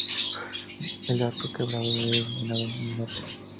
El orco quebracho es de dominancia en el norte.